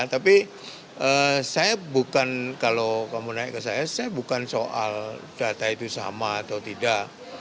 tapi saya bukan kalau kamu naik ke saya saya bukan soal data itu sama atau tidak